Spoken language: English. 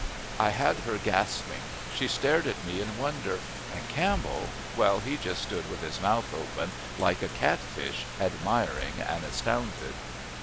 I had her gasping. She stared at me in wonder, and Campbell well, he just stood with his mouth open like a catfish, admiring and astounded.